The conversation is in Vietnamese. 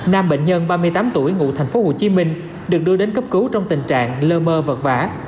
nam bệnh nhân ba mươi tám tuổi ngụ thành phố hồ chí minh được đưa đến cấp cứu trong tình trạng lơ mơ vật vả